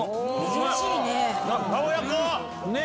珍しいね。